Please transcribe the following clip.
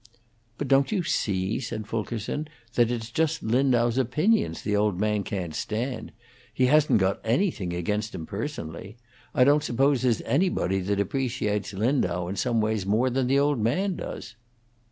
"But don't you see," said Fulkerson, "that it's just Lindau's opinions the old man can't stand? He hasn't got anything against him personally. I don't suppose there's anybody that appreciates Lindau in some ways more than the old man does."